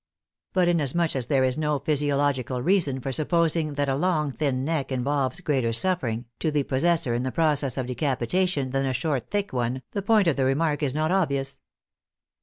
But inasmuch as there is no physiolog ical reason for supposing that a long, thin neck involves greater suffering to the possessor in the process of de THE FIRST PARIS COMMUNE 45 capitation than a short, thick one, the point of the re mark is not obvious.